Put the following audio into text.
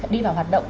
đi vào hoạt động